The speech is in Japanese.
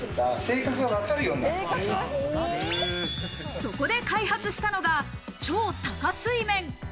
そこで開発したのが超多加水麺。